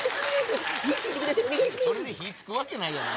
それで火付くわけないやん。